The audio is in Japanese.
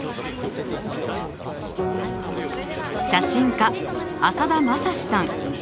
写真家浅田政志さん。